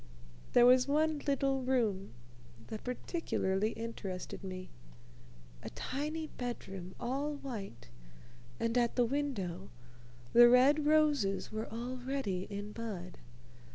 There was one little room that particularly interested me, a tiny bedroom all white, and at the window the red roses were already in bud.